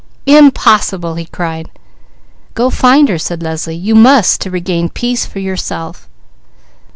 "Impossible!" he cried. "Go find her," said Leslie. "You must to regain peace for yourself."